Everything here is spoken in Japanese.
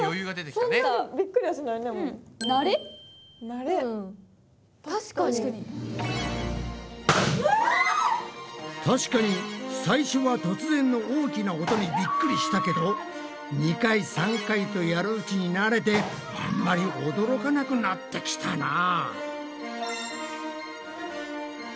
たしかに最初は突然の大きな音にびっくりしたけど２回３回とやるうちに慣れてあんまり驚かなくなってきたなぁ。